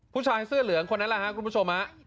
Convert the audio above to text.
ผู้ชายเสื้อเหลืองคนนั้นแหละครับคุณผู้ชมฮะ